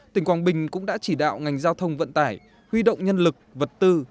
tỉnh quảng bình cũng đã chỉ đạo ngành giao thông vận tải huy động nhân lực vật tư